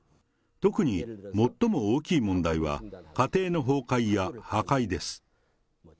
特に、最も大きい問題は家庭の崩壊や破壊です。